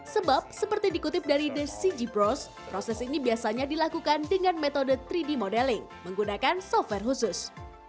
sebab seperti dikutip dari the cg brows proses ini biasanya dilakukan dengan metode tiga d modeling menggunakan software khusus